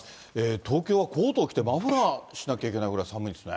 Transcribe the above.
東京はコートを着て、マフラーしなきゃいけないぐらい寒いですね。